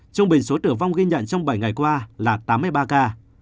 trung bình số tử vong ghi nhận trong bảy ngày qua là tám mươi ba ca